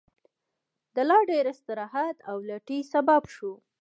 د لا ډېر استراحت او لټۍ سبب شو.